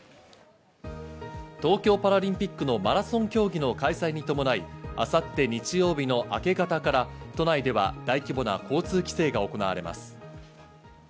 東京パラリンピックのマラソン競技の開催に伴い明後日、日曜日の明け方から都内では大規模な交通規制が行われます。